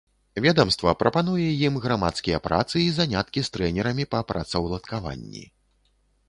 Ведамства прапануе ім грамадскія працы і заняткі з трэнерамі па працаўладкаванні.